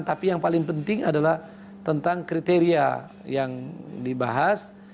tapi yang paling penting adalah tentang kriteria yang dibahas